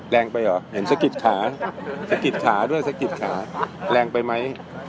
แรงไปเหรอเห็นสะกิดขาสะกิดขาด้วยสะกิดขาแรงไปไหม